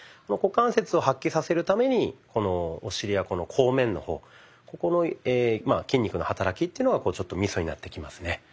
この股関節を発揮させるためにこのお尻や後面の方ここの筋肉の働きっていうのがちょっとミソになってきますね。